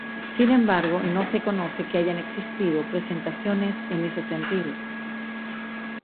Sin embargo, no se conoce que hayan existido presentaciones en ese sentido.